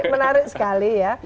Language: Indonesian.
menarik sekali ya